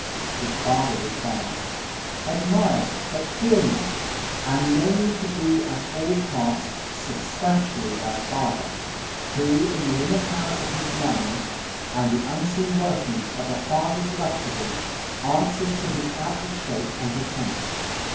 _"] His father replied: "Admire, but fear not, and know me to be at all parts substantially thy father, who in the inner powers of his mind, and the unseen workings of a father's love to thee, answers to his outward shape and pretence!